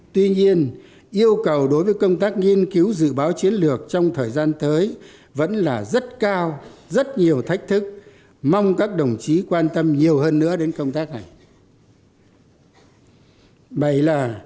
tuy nhiên yêu cầu đối với công tác nghiên cứu dự báo chiến lược trong thời gian tới vẫn là rất cao rất nhiều thách thức mong các đồng chí quan tâm nhiều hơn nữa đến công tác này